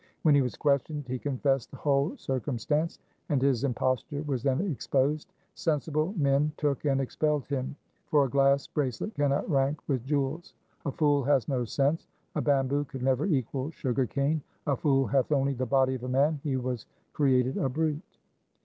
When he was questioned, he confessed the whole circum stance, and his imposture was then exposed. Sensible men took and expelled him, for a glass bracelet cannot rank with jewels. A fool has no sense. A bamboo could never equal sugar cane. A fool hath only the body of a man ; he was created a brute.